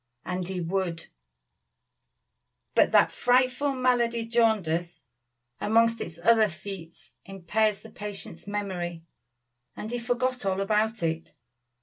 And he would; but that frightful malady, jaundice, among its other feats, impairs the patient's memory; and he forgot all about it.